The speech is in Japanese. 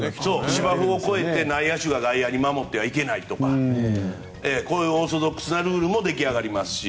芝生を超えて内野手が外野を守ってはいけないとか、こういうオーソドックスなルールも出来上がりますし。